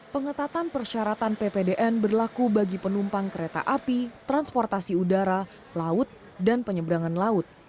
pengetatan persyaratan ppdn berlaku bagi penumpang kereta api transportasi udara laut dan penyeberangan laut